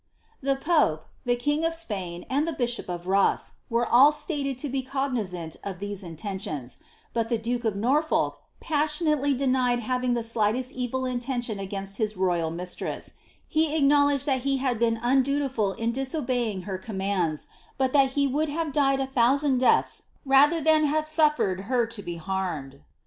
The pope, the king of Spain, and the bishop of Ito ■11 slated u> be cognizant of tliese inleniionB, but ilie duke of passionately denied having the slightest evil ititcniion against t raisiress; he acknowledged that he had been unduiiful in dis her commands, but that he would have died a thousand death than have aufiered her to be banned."'